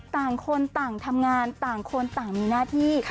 ต่างคนต่างทำงานต่างคนต่างมีหน้าที่